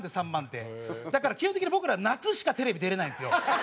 だから基本的に僕ら夏しかテレビ出れないんですよ。